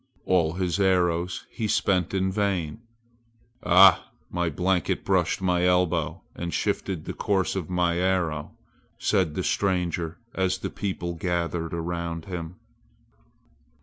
All his arrows he spent in vain. "Ah! my blanket brushed my elbow and shifted the course of my arrow!" said the stranger as the people gathered around him.